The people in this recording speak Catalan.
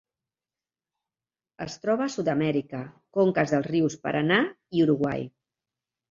Es troba a Sud-amèrica: conques dels rius Paranà i Uruguai.